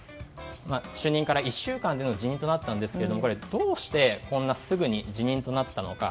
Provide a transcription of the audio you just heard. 就任から１週間での辞任となったんですが、どうしてこんなすぐに辞任となったのか。